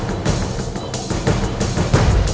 เราจะได้ฝากสิ่งที่นี่